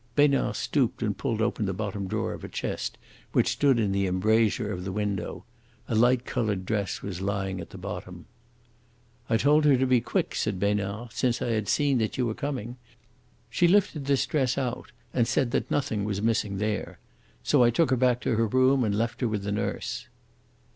Besnard stooped and pulled open the bottom drawer of a chest which stood in the embrasure of the window. A light coloured dress was lying at the bottom. "I told her to be quick," said Besnard, "since I had seen that you were coming. She lifted this dress out and said that nothing was missing there. So I took her back to her room and left her with the nurse."